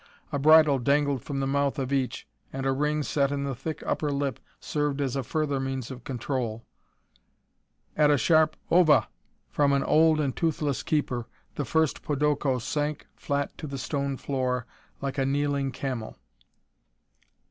A bridle dangled from the mouth of each and a ring set in the thick upper lip served as a further means of control. At a sharp "Oya!" from an old and toothless keeper, the first podoko sank flat to the stone floor like a kneeling camel.